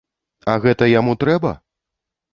А гэта яму трэба?